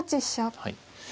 はい。